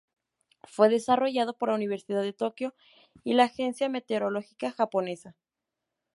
Fue desarrollado por la Universidad de Tokio y la Agencia Meteorológica japonesa.